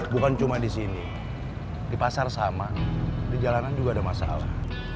bukan cuma di sini di pasar sama di jalanan juga ada masalah